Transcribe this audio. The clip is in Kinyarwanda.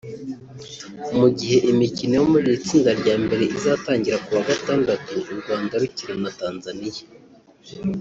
Mu gihe imikino yo muri iri tsinda rya mbere izatangira ku wa gatandatu u Rwanda rukina na Tanzania